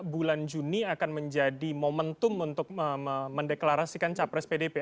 bulan juni akan menjadi momentum untuk mendeklarasikan capres pdp